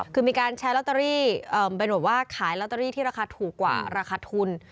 คือมีการแชร์ลอตเตอรี่เป็นแบบว่าขายลอตเตอรี่ที่ราคาถูกกว่าราคาทุน